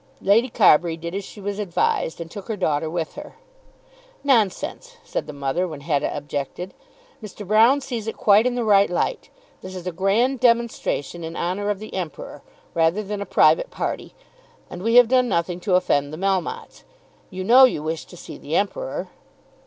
Lady Carbury did as she was advised, and took her daughter with her. "Nonsense," said the mother, when Hetta objected; "Mr. Broune sees it quite in the right light. This is a grand demonstration in honour of the Emperor, rather than a private party; and we have done nothing to offend the Melmottes. You know you wish to see the Emperor."